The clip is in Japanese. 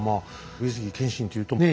上杉謙信というとね